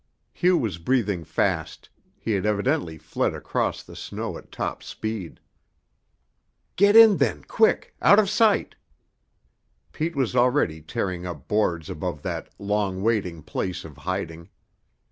Hugh was breathing fast; he had evidently fled across the snow at top speed. "Get in, then, quick out of sight." Pete was already tearing up boards above that long waiting place of hiding.